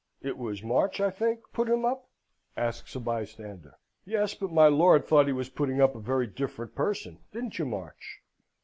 It was March, I think, put him up?" asks a bystander. "Yes. But my lord thought he was putting up a very different person. Didn't you, March?"